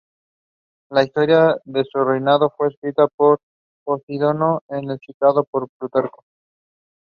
Comedian Brian Moses serves as the announcer and referee for each battle.